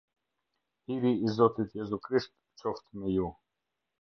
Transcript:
Hiri i Zotit Jezu Krisht qoftë me ju.